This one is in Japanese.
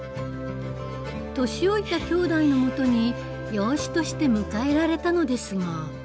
年老いたきょうだいのもとに養子として迎えられたのですが。